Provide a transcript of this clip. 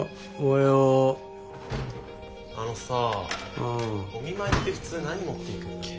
あのさお見舞いって普通何持っていくっけ？